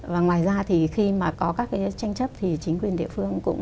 và ngoài ra thì khi mà có các cái tranh chấp thì chính quyền địa phương cũng